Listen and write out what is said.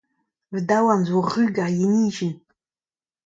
Va daouarn zo ruz gant ar yenijenn.